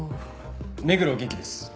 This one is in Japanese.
目黒元気です。